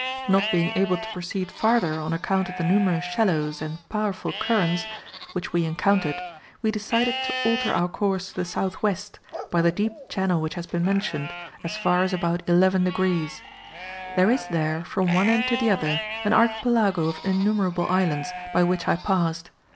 Not being able to proceed farther on account of the numerous shallows and powerful currents which we encountered, we decided to alter our course to the south west, by the deep channel which has been mentioned, as far as about 11 degrees. There is there, from one end to the other, an archipelago of innumerable islands, by which I passed.